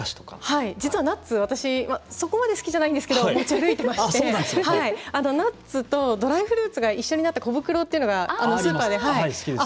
実は私、ナッツはそこまで好きじゃないんですが持ち歩いていましてナッツとドライフルーツが一緒になった小袋スーパーで。